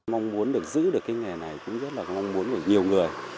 mong muốn được giữ được cái nghề này cũng rất là mong muốn của nhiều người